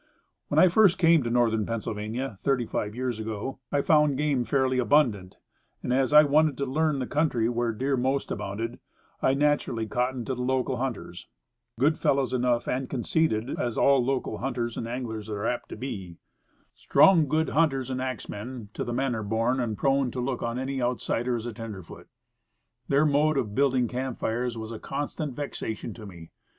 When I first came to Northern Pennsylvania, thirty five years ago, I found game fairly abundant; and, as I wanted to learn the country where deer most abounded, I naturally cottoned to the local hunters. Good fellows enough, and conceited, as all local hunters and anglers are apt to be. Strong, good hunters and axe men, to the manor born, and prone to look on any outsider cr> a tenderfoot. Their mode of building camp fires was a constant vexation to me.